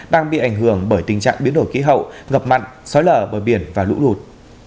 đang bị ảnh hưởng bởi tình trạng biến đổi khí hậu ngập mặn sói lở bờ biển và lũ lụt